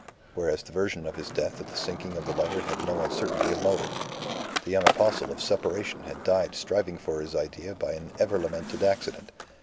Whereas the version of his death at the sinking of the lighter had no uncertainty of motive. The young apostle of Separation had died striving for his idea by an ever lamented accident.